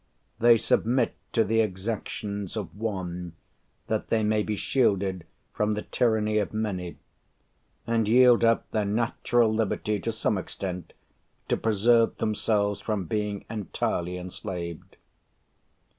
They submit to the exactions of one that they may be shielded from the tyranny of many, and yield up their natural liberty to some extent to preserve themselves from being entirely enslaved.